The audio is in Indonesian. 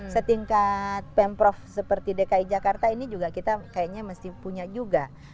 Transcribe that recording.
setingkat pemprov seperti dki jakarta ini juga kita kayaknya mesti punya juga